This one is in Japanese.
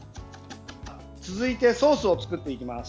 続いてソースを作っていきます。